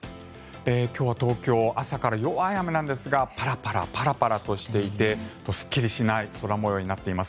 今日は東京、朝から弱い雨なんですがパラパラ、パラパラとしていてすっきりしない空模様になっています。